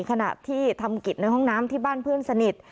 ขณะที่ทำกิจในห้องน้ำที่บ้านเพื่อนสนิท